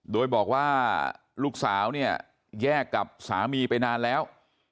โดยบอกว่าลูกสาวเนี่ยแยกกับสามีไปนานแล้ว